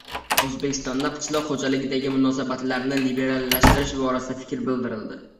O‘zbekistonda qishloq xo‘jaligidagi munosabatlarni liberallashtirish borasida fikr bildirdi.